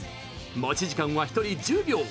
持ち時間は１人１０秒。